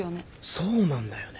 そうなんだよね。